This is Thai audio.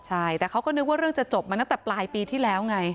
ใช่แต่เขาก็นึกว่าเรื่องจะจบมาตั้งแต่ปลายปีที่แล้วไง